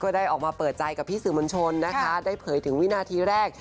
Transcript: ได้ออกมาเปิดใจกับพี่สื่อมวลชนนะคะได้เผยถึงวินาทีแรก